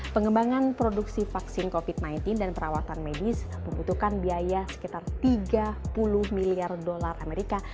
pengembangan produksi vaksin covid sembilan belas dan perawatan medis membutuhkan biaya sekitar tiga puluh miliar dolar amerika